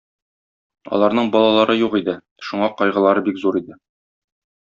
Аларның балалары юк иде, шуңа кайгылары бик зур иде.